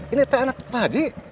ini teh anak pak ji